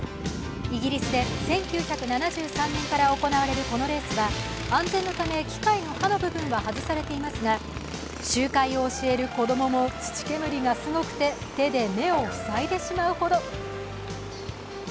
イギリスで１９７３年から行われるこのレースは、安全のため、機械の刃の部分は外されていますが周回を教える子供も土煙がすごくて手で目をふさいでしまうほど。